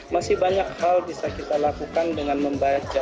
masih banyak hal bisa kita lakukan dengan membaca